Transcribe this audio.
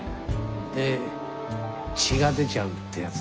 で血が出ちゃうってやつ。